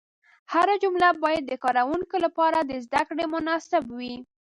هره جمله باید د کاروونکي لپاره د زده کړې مناسب وي.